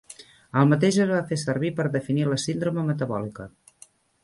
El mateix es va fer servir per definir la síndrome metabòlica.